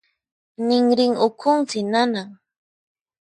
Ninrin ukhunsi nanan.